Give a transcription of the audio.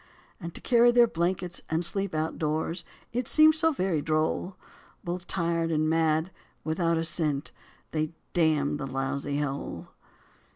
And to carry their blankets and sleep outdoors, it seemed so very droll! Both tired and mad, without a cent, they damned the lousy hole.